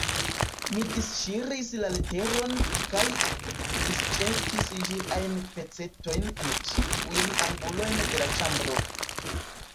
Mi disŝiris la leteron kaj disĵetis ĝiajn pecetojn en ĉiujn angulojn de la ĉambro.